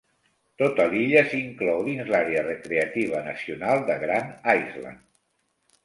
Tota l'illa s'inclou dins l'àrea recreativa nacional de Grand Island.